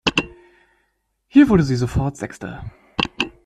Hier wurde sie sofort Sechste.